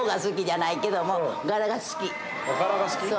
柄が好き？